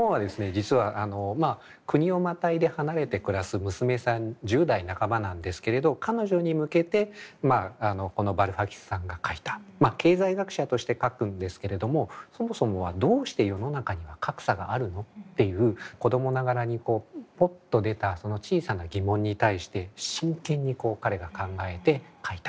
実は国をまたいで離れて暮らす娘さん１０代半ばなんですけれど彼女に向けてこのバルファキスさんが書いた経済学者として書くんですけれどもそもそもは「どうして世の中には格差があるの？」っていう子供ながらにポッと出たその小さな疑問に対して真剣に彼が考えて書いた本ということですね。